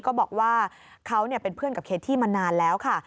ก็บอกว่าเขาเป็นเพื่อนกับเคที่มานานแล้วค่ะ